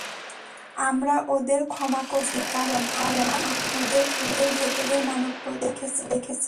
আমরা ওদের ক্ষমা করতে পেরেছি, কারণ আমরা ওদের ভেতরের মানবতাকে দেখেছি।